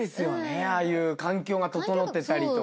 ああいう環境が整ってたりとか。